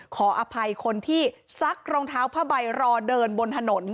ขออภัยคนที่ซักรองเท้าผ้าใบรอเดินบนถนน